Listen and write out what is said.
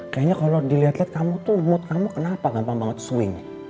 kayaknya kalo diliat liat kamu tuh mood kamu kenapa gampang banget swing